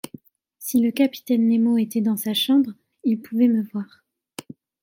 Si le capitaine Nemo était dans sa chambre, il pouvait me voir.